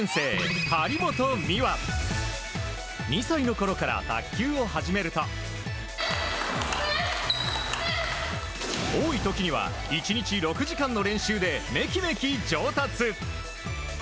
２歳のころから卓球を始めると多い時には１日６時間の練習でめきめき上達。